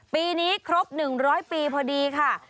ปีนี้ครบ๑๐๐ปีพอดีค่ะ